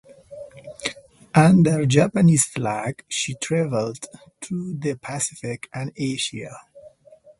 Under Japanese flag she traveled throughout the Pacific and Asia.